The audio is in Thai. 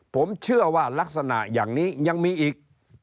ผมเชื่อว่ารักษณะอย่างนี้ยังมีอีก